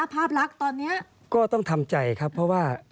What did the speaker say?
ภาพลักษณ์ตอนนี้ก็ต้องทำใจครับเพราะว่า